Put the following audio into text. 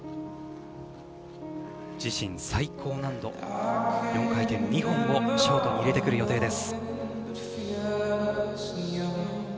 自身最高難度４回転２本をショートに入れてくる予定です。